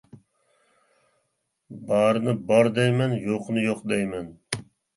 بارنى بار دەيمەن، يوقنى يوق دەيمەن.